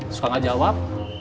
suka gak jawab